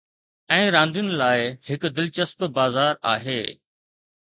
۽ راندين لاء هڪ دلچسپ بازار آهي.